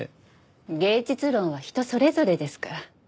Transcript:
芸術論は人それぞれですから。